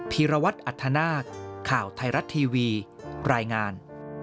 ีรวัตรอัธนาคข่าวไทยรัฐทีวีรายงาน